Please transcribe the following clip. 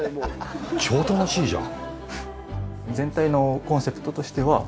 超楽しいじゃん。